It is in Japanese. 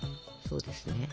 そうですね。